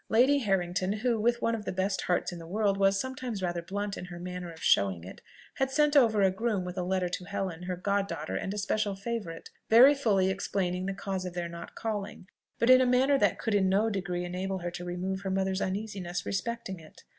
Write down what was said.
Lady Harrington, who, with one of the best hearts in the world, was sometimes rather blunt in her manner of showing it, had sent over a groom with a letter to Helen, her god daughter and especial favourite, very fully explaining the cause of their not calling, but in a manner that could in no degree enable her to remove her mother's uneasiness respecting it.